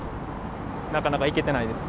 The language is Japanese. なかなか行けてないです。